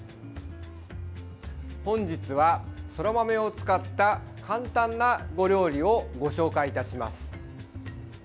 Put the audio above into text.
本日は、そら豆を使った簡単な料理を紹介いたします。